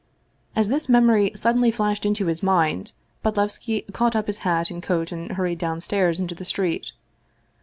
As this memory suddenly flashed into his mind, Bodlev ski caught up his hat and coat and hurried downstairs into the street.